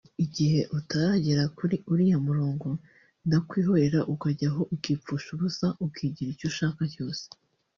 Igihe utaragera kuri uriya murongo ndakwihorera ukajya aho ukipfusha ubusa ukigira icyo ushaka cyose